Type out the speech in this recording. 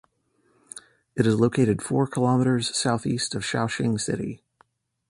It is located four kilometers southeast of Shaoxing city.